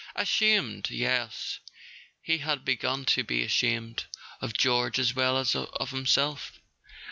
Ashamed—yes, he had begun to be ashamed of George as well as of himself.